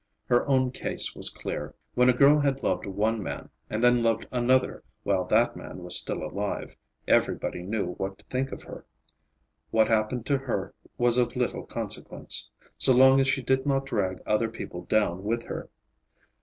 Her own case was clear. When a girl had loved one man, and then loved another while that man was still alive, everybody knew what to think of her. What happened to her was of little consequence, so long as she did not drag other people down with her.